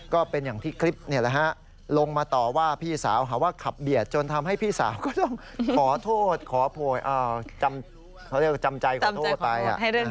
ก็เป็นอย่างที่คลิปลงมาต่อว่าพี่สาวหาว่าขับเบียดจนทำให้พี่สาวก็ต้องขอโทษขอเรียกว่าจำใจขอโทษไป